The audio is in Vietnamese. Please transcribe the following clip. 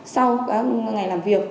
sau các ngày làm việc